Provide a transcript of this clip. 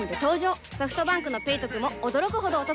ソフトバンクの「ペイトク」も驚くほどおトク